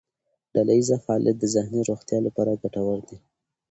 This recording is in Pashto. ډلهییز فعالیت د ذهني روغتیا لپاره ګټور دی.